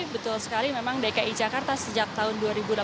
betul sekali memang dki jakarta sejak tahun dua ribu delapan belas